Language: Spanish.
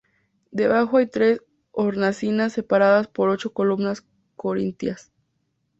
Debajo hay tres hornacinas separadas por ocho columnas corintias.